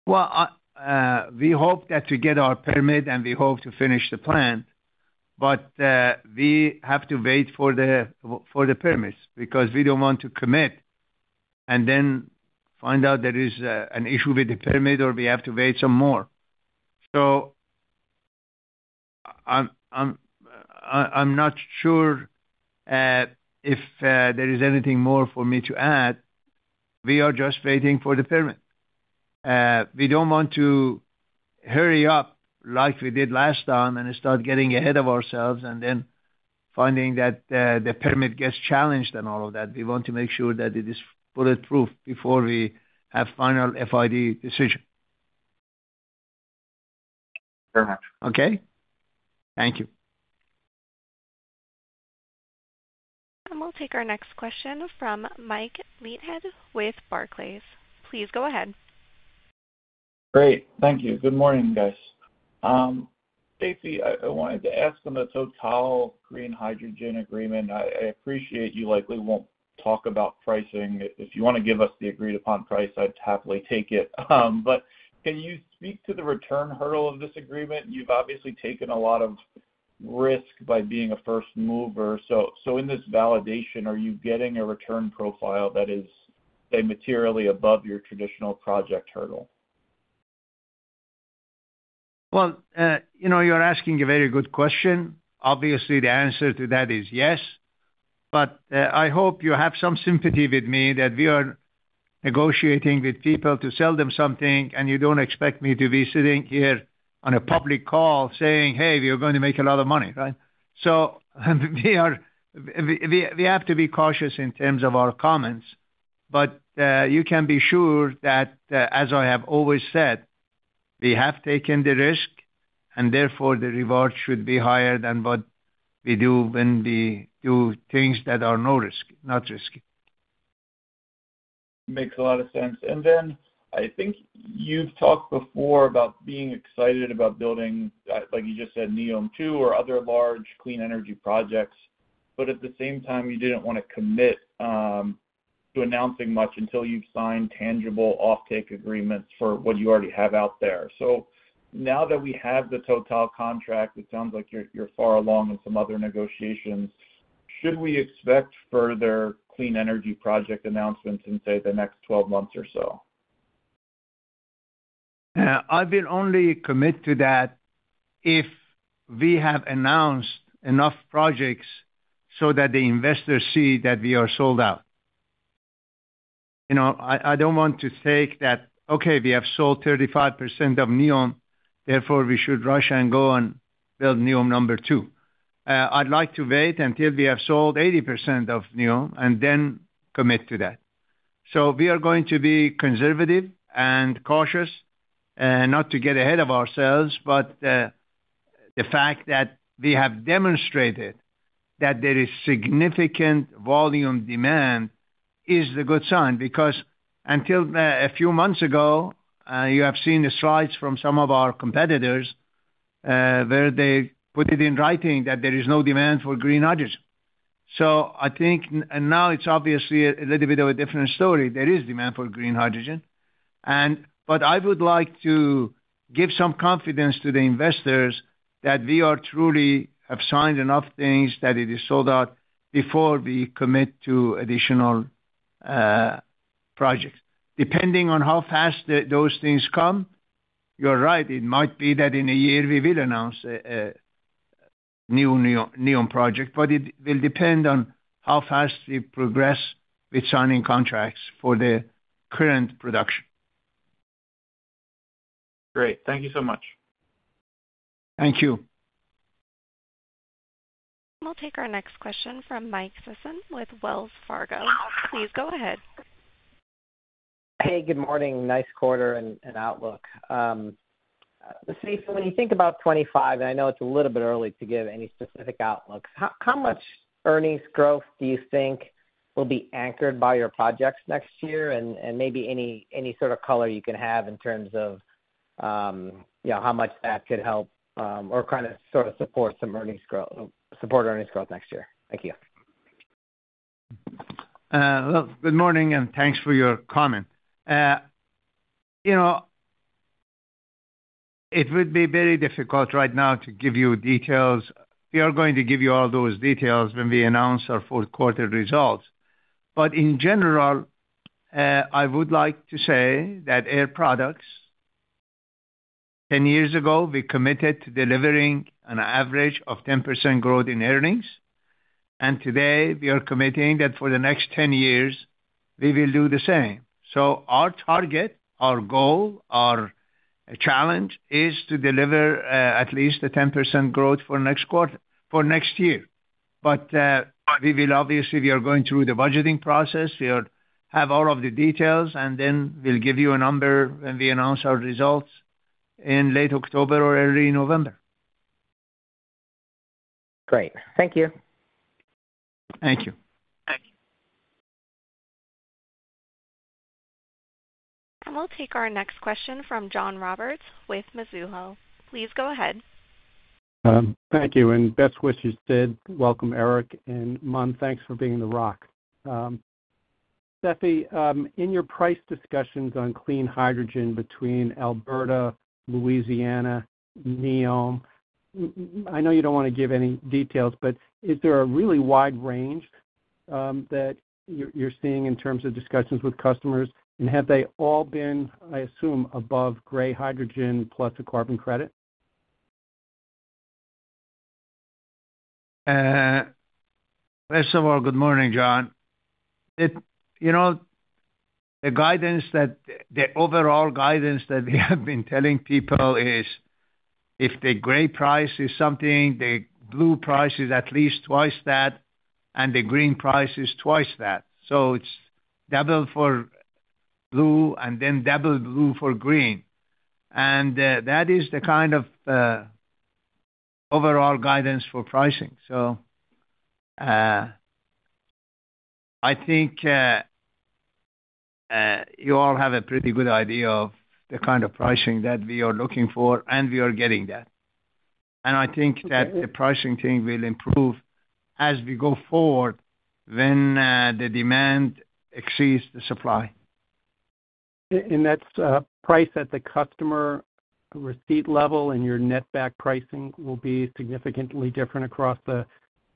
Well, we hope that we get our permit, and we hope to finish the plan, but we have to wait for the permits, because we don't want to commit and then find out there is an issue with the permit or we have to wait some more. So I'm not sure if there is anything more for me to add. We are just waiting for the permit. We don't want to hurry up like we did last time and start getting ahead of ourselves and then finding that the permit gets challenged and all of that. We want to make sure that it is bulletproof before we have final FID decision. Very much. Okay? Thank you. We'll take our next question from Michael Leithead with Barclays. Please go ahead. Great, thank you. Good morning, guys. Seifi, I wanted to ask on the Total green hydrogen agreement. I appreciate you likely won't talk about pricing. If you wanna give us the agreed-upon price, I'd happily take it. But can you speak to the return hurdle of this agreement? You've obviously taken a lot of risk by being a first mover. So in this validation, are you getting a return profile that is, say, materially above your traditional project hurdle? Well, you know, you're asking a very good question. Obviously, the answer to that is yes. But, I hope you have some sympathy with me that we are negotiating with people to sell them something, and you don't expect me to be sitting here on a public call saying, "Hey, we are going to make a lot of money," right? So we have to be cautious in terms of our comments. But, you can be sure that, as I have always said, we have taken the risk, and therefore the reward should be higher than what we do when we do things that are no risk, not risky. Makes a lot of sense. And then I think you've talked before about being excited about building, like you just said, NEOM too or other large clean energy projects, but at the same time, you didn't wanna commit to announcing much until you've signed tangible offtake agreements for what you already have out there. So now that we have the Total contract, it sounds like you're, you're far along in some other negotiations. Should we expect further clean energy project announcements in, say, the next 12 months or so? I will only commit to that if we have announced enough projects so that the investors see that we are sold out. You know, I, I don't want to take that, "Okay, we have sold 35% of NEOM, therefore we should rush and go and build NEOM number two." I'd like to wait until we have sold 80% of NEOM and then commit to that. So we are going to be conservative and cautious, not to get ahead of ourselves, but the fact that we have demonstrated that there is significant volume demand is a good sign, because until a few months ago, you have seen the slides from some of our competitors, where they put it in writing that there is no demand for green hydrogen. So I think... Now it's obviously a little bit of a different story. There is demand for green hydrogen. But I would like to give some confidence to the investors that we are truly have signed enough things, that it is sold out before we commit to additional projects. Depending on how fast those things come, you're right, it might be that in a year we will announce a new NEOM project, but it will depend on how fast we progress with signing contracts for the current production. Great. Thank you so much. Thank you. We'll take our next question from Mike Sisson with Wells Fargo. Please go ahead. Hey, good morning. Nice quarter and outlook. Seifi, when you think about 2025, and I know it's a little bit early to give any specific outlooks, how much earnings growth do you think will be anchored by your projects next year? And maybe any sort of color you can have in terms of, you know, how much that could help, or kind of sort of support some earnings growth, support earnings growth next year? Thank you. Well, good morning, and thanks for your comment. You know, it would be very difficult right now to give you details. We are going to give you all those details when we announce our Q4 results. But in general, I would like to say that Air Products, 10 years ago, we committed to delivering an average of 10% growth in earnings, and today we are committing that for the next 10 years, we will do the same. So our target, our goal, our challenge, is to deliver at least a 10% growth for next quarter—for next year. But we will obviously, we are going through the budgeting process. We'll have all of the details, and then we'll give you a number when we announce our results in late October or early November. Great. Thank you. Thank you. Thank you. We'll take our next question from John Roberts with Mizuho. Please go ahead. Thank you, and best wishes, Sidd. Welcome, Eric, and Mel, thanks for being the rock. Seifi, in your price discussions on clean hydrogen between Alberta, Louisiana, NEOM, I know you don't want to give any details, but is there a really wide range that you're seeing in terms of discussions with customers? And have they all been, I assume, above gray hydrogen plus a carbon credit?... first of all, good morning, John. You know, the overall guidance that we have been telling people is if the gray price is something, the blue price is at least twice that, and the green price is twice that. So it's double for blue and then double blue for green. And that is the kind of overall guidance for pricing. So I think you all have a pretty good idea of the kind of pricing that we are looking for, and we are getting that. And I think that the pricing thing will improve as we go forward, when the demand exceeds the supply. That's price at the customer receipt level, and your net back pricing will be significantly different across the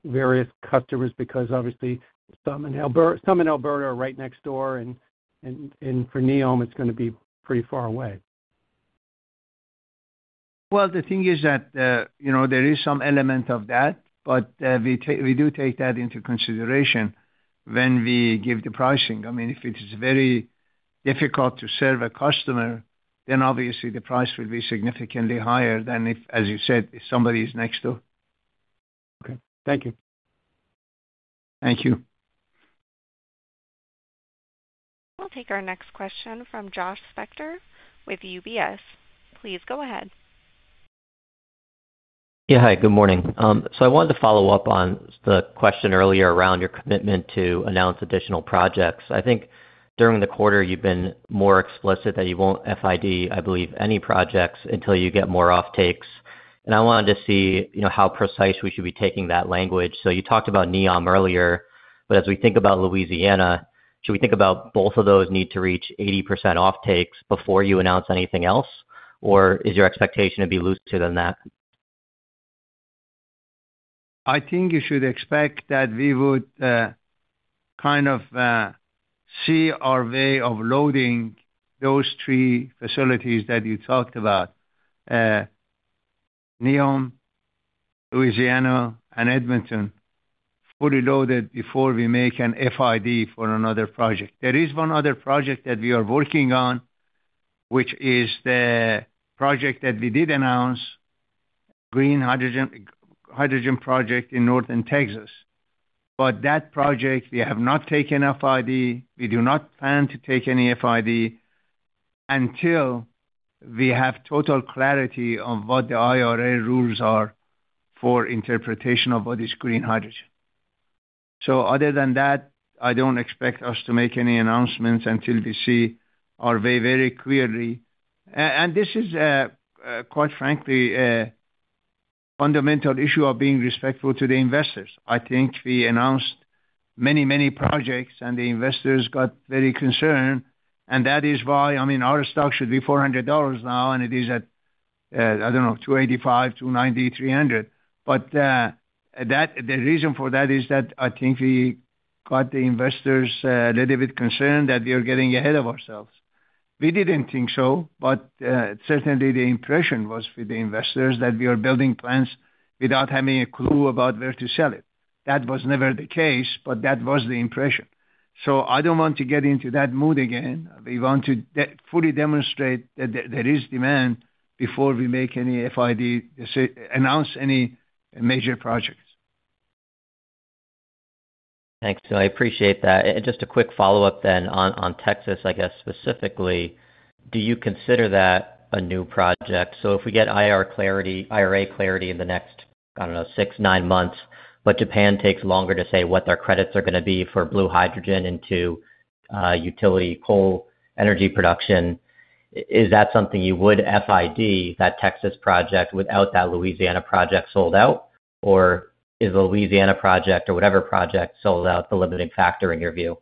various customers, because obviously some in Alberta are right next door, and for NEOM, it's gonna be pretty far away. Well, the thing is that, you know, there is some element of that, but, we take-- we do take that into consideration when we give the pricing. I mean, if it is very difficult to serve a customer, then obviously the price will be significantly higher than if, as you said, if somebody is next door. Okay, thank you. Thank you. We'll take our next question from Josh Spector with UBS. Please go ahead. Yeah, hi, good morning. So I wanted to follow up on the question earlier around your commitment to announce additional projects. I think during the quarter, you've been more explicit that you won't FID, I believe, any projects until you get more offtakes. And I wanted to see, you know, how precise we should be taking that language. So you talked about NEOM earlier, but as we think about Louisiana, should we think about both of those need to reach 80% offtakes before you announce anything else? Or is your expectation to be looser than that? I think you should expect that we would, kind of, see our way of loading those three facilities that you talked about, NEOM, Louisiana, and Edmonton, fully loaded before we make an FID for another project. There is one other project that we are working on, which is the project that we did announce, green hydrogen, hydrogen project in Northern Texas. But that project, we have not taken FID. We do not plan to take any FID until we have total clarity on what the IRA rules are for interpretation of what is green hydrogen. So other than that, I don't expect us to make any announcements until we see our way very clearly. And this is, quite frankly, a fundamental issue of being respectful to the investors. I think we announced many, many projects, and the investors got very concerned, and that is why... I mean, our stock should be $400 now, and it is at, I don't know, $285, $290, $300. But, the reason for that is that I think we got the investors a little bit concerned that we are getting ahead of ourselves. We didn't think so, but, certainly the impression was for the investors that we are building plants without having a clue about where to sell it. That was never the case, but that was the impression. So I don't want to get into that mood again. We want to fully demonstrate that there is demand before we make any FID, say, announce any major projects. Thanks, so I appreciate that. And just a quick follow-up then on Texas, I guess, specifically, do you consider that a new project? So if we get IRA clarity in the next, I don't know, six, nine months, but Japan takes longer to say what their credits are gonna be for blue hydrogen into utility coal energy production, is that something you would FID, that Texas project, without that Louisiana project sold out? Or is the Louisiana project, or whatever project, sold out the limiting factor in your view?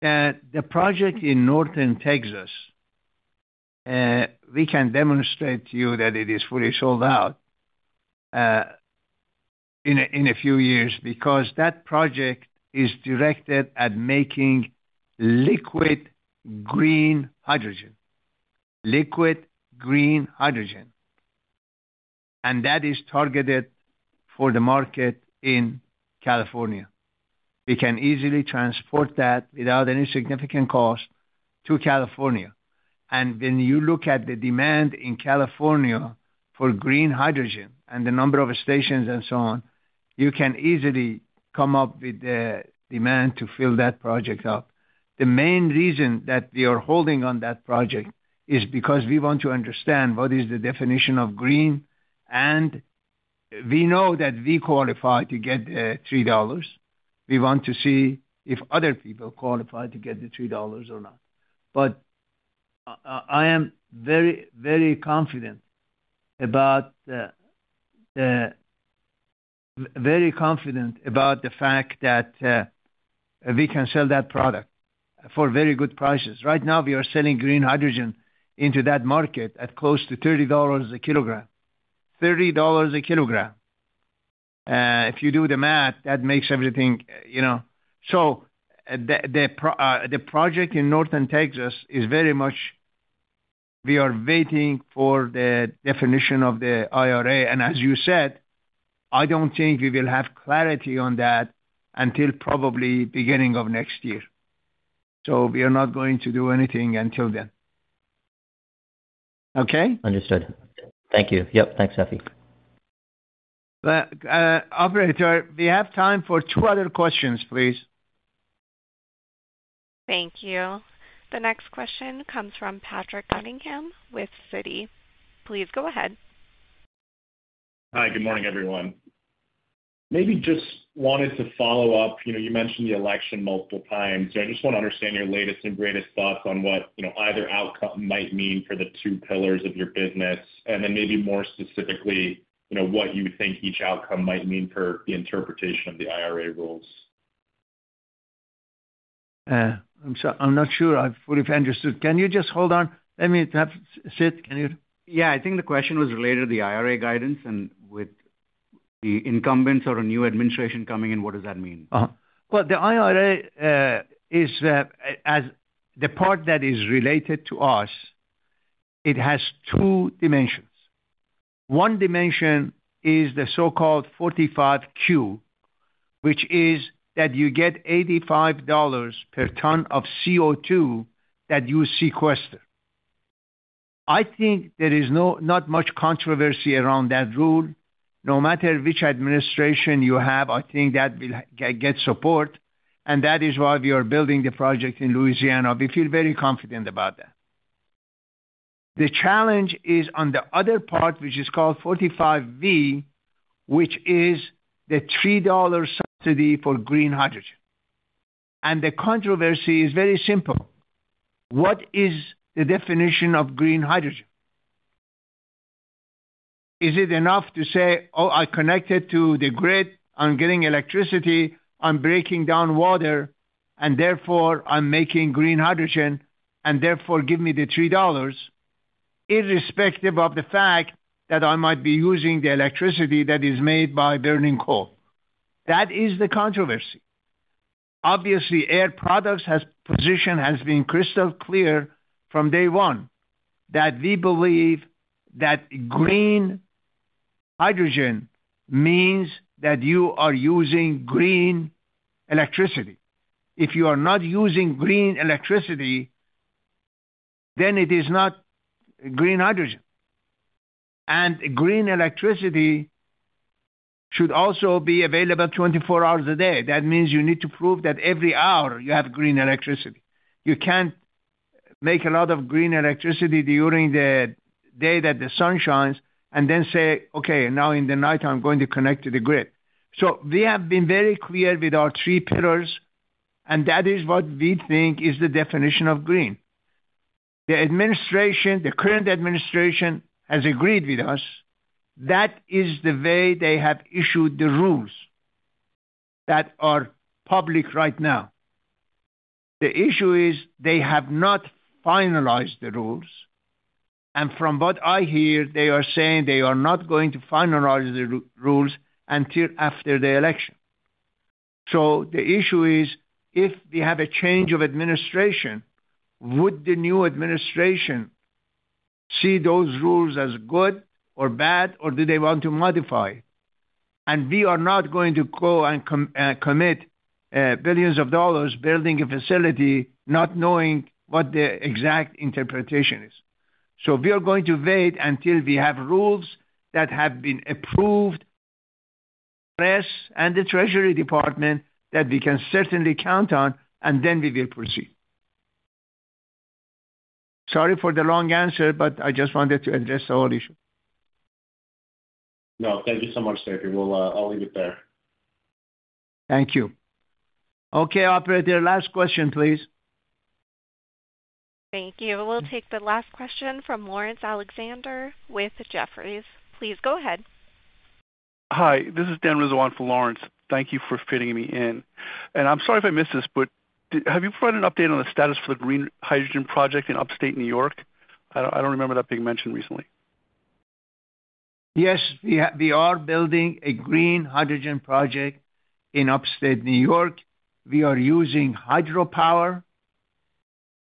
The project in Northern Texas, we can demonstrate to you that it is fully sold out in a few years, because that project is directed at making liquid green hydrogen. Liquid green hydrogen, and that is targeted for the market in California. We can easily transport that without any significant cost to California. And when you look at the demand in California for green hydrogen and the number of stations and so on, you can easily come up with the demand to fill that project up. The main reason that we are holding on that project is because we want to understand what is the definition of green, and we know that we qualify to get $3. We want to see if other people qualify to get the $3 or not. But I am very, very confident about the... Very confident about the fact that, we can sell that product for very good prices. Right now, we are selling green hydrogen into that market at close to $30 a kilogram. $30 a kilogram. If you do the math, that makes everything, you know. So the project in Northern Texas is very much. We are waiting for the definition of the IRA. And as you said, I don't think we will have clarity on that until probably beginning of next year. So we are not going to do anything until then. Okay? Understood. Thank you. Yep, thanks, Seifi. Operator, we have time for two other questions, please. Thank you. The next question comes from Patrick Cunningham with Citi. Please go ahead. Hi, good morning, everyone. Maybe just wanted to follow up. You know, you mentioned the election multiple times, so I just want to understand your latest and greatest thoughts on what, you know, either outcome might mean for the two pillars of your business, and then maybe more specifically, you know, what you think each outcome might mean for the interpretation of the IRA rules. I'm not sure I've fully understood. Can you just hold on? Let me have... Sidd, can you? Yeah, I think the question was related to the IRA guidance and with the incumbents or a new administration coming in, what does that mean? Well, the IRA is, as the part that is related to us, it has two dimensions. One dimension is the so-called 45Q, which is that you get $85 per ton of CO2 that you sequester. I think there is not much controversy around that rule. No matter which administration you have, I think that will get support, and that is why we are building the project in Louisiana. We feel very confident about that. The challenge is on the other part, which is called 45V, which is the $3 subsidy for green hydrogen. And the controversy is very simple: What is the definition of green hydrogen? Is it enough to say, "Oh, I connected to the grid, I'm getting electricity, I'm breaking down water, and therefore I'm making green hydrogen, and therefore give me the $3," irrespective of the fact that I might be using the electricity that is made by burning coal? That is the controversy. Obviously, Air Products has position, has been crystal clear from day one, that we believe that green hydrogen means that you are using green electricity. If you are not using green electricity, then it is not green hydrogen. And green electricity should also be available 24 hours a day. That means you need to prove that every hour you have green electricity. You can't make a lot of green electricity during the day that the sun shines and then say, "Okay, now in the night I'm going to connect to the grid." So we have been very clear with our three pillars, and that is what we think is the definition of green. The administration, the current administration, has agreed with us. That is the way they have issued the rules that are public right now. The issue is they have not finalized the rules, and from what I hear, they are saying they are not going to finalize the rules until after the election. So the issue is, if we have a change of administration, would the new administration see those rules as good or bad, or do they want to modify? We are not going to go and commit billions of dollars building a facility, not knowing what the exact interpretation is. So we are going to wait until we have rules that have been approved, passed, and the Treasury Department, that we can certainly count on, and then we will proceed. Sorry for the long answer, but I just wanted to address the whole issue. No, thank you so much, Seifi. We'll, I'll leave it there. Thank you. Okay, operator, last question, please. Thank you. We'll take the last question from Lawrence Alexander with Jefferies. Please go ahead. Hi, this is Dan Rizzo for Lawrence. Thank you for fitting me in. I'm sorry if I missed this, but have you provided an update on the status for the green hydrogen project in upstate New York? I don't remember that being mentioned recently. Yes, we are building a green hydrogen project in upstate New York. We are using hydropower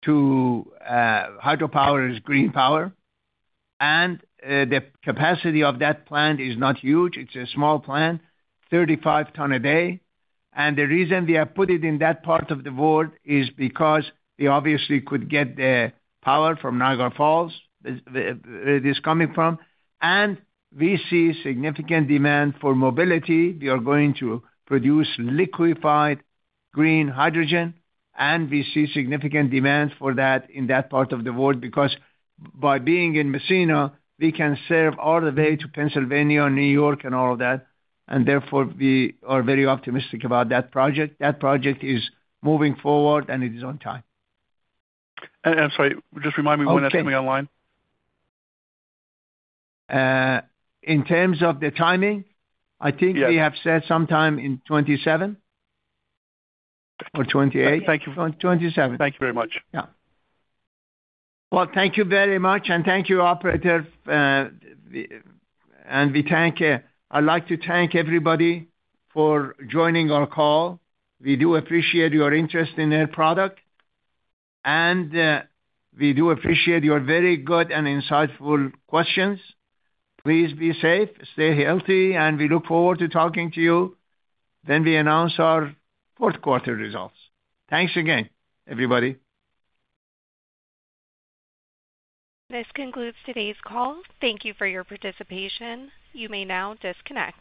to produce it. Hydropower is green power, and the capacity of that plant is not huge. It's a small plant, 35 tons a day. The reason we have put it in that part of the world is because we obviously could get the power from Niagara Falls, where it is coming from, and we see significant demand for mobility. We are going to produce liquefied green hydrogen, and we see significant demand for that in that part of the world, because by being in Massena, we can serve all the way to Pennsylvania, New York, and all of that, and therefore we are very optimistic about that project. That project is moving forward, and it is on time. I'm sorry, just remind me when that's coming online? In terms of the timing? Yes. I think we have said sometime in 2027 or 2028. Thank you. Twenty-seven. Thank you very much. Yeah. Well, thank you very much, and thank you, operator. I'd like to thank everybody for joining our call. We do appreciate your interest in Air Products, and we do appreciate your very good and insightful questions. Please be safe, stay healthy, and we look forward to talking to you when we announce our Q4 results. Thanks again, everybody. This concludes today's call. Thank you for your participation. You may now disconnect.